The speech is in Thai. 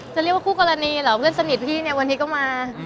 จะเรียกว่าคู่กรณีเหรอเพื่อนสนิทพี่เนี่ยวันนี้ก็มา